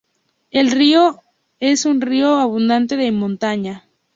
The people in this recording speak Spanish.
El río es un río abundante de montaña.